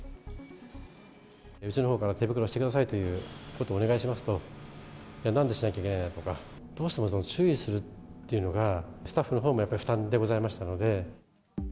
うちのほうから、手袋してくださいということをお願いしますと、なんでしなきゃいけないんだとか、どうしても注意するっていうのが、スタッフのほうもやはり負担でございましたので。